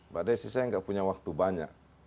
pak desi saya tidak punya waktu banyak